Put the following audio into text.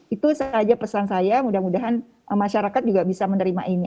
itu saja pesan saya mudah mudahan masyarakat juga bisa menerima ini